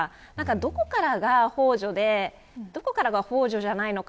どこからがほう助でどこからがほう助じゃないのか。